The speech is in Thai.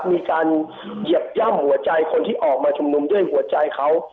เหยียบย่ำหัวใจคนที่ออกมาชุมนุมด้วยหัวใจเขา